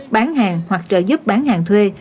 ba bán hàng hoặc trợ giúp bán hàng thuê